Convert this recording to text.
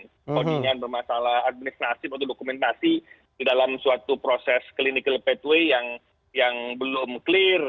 kemudian bermasalah administrasif atau dokumentasi dalam suatu proses clinical pathway yang belum clear